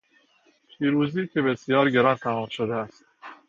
پیروزی که بسیار گران تمام شده است